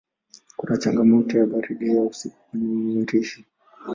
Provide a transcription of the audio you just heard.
Kuna changamoto ya baridi ya usiku kwenye Mirihi.